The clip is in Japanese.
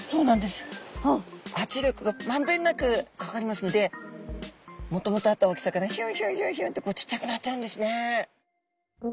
圧力がまんべんなくかかりますのでもともとあった大きさからヒュンヒュンヒュンってこうちっちゃくなっちゃうんですね。